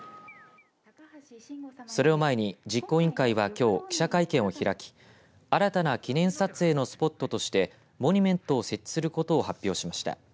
それを前に実行委員会はきょう記者会見を開き新たな記念撮影のスポットとしてモニュメントを設置することを発表しました。